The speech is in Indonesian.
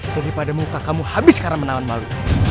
daripada muka kamu habis karena menawan malu